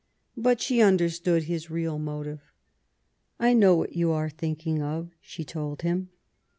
But she understood his real mo tive. " I know what you are thinking of," she told him.